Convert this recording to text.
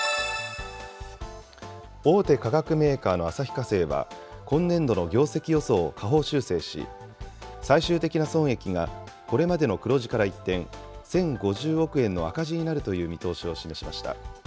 大手化学メーカーの旭化成は、今年度の業績予想を下方修正し、最終的な損益がこれまでの黒字から一転、１０５０億円の赤字になる見通しを示しました。